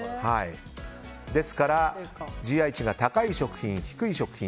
ですからＧＩ値が高い食品、低い食品